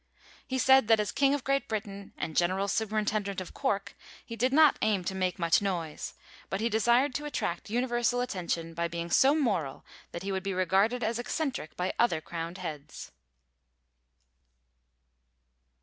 He said that as king of Great Britain and general superintendent of Cork he did not aim to make much noise, but he desired to attract universal attention by being so moral that he would be regarded as eccentric by other crowned heads.